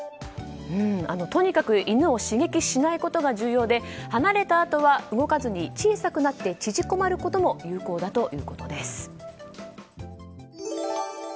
とにかく犬を刺激しないことが重要で離れたあとは動かずに小さくなって縮こまることも有効だということです。